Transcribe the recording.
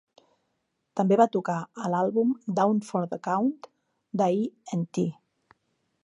També va tocar a l'àlbum "Down for the Count" de Y and T.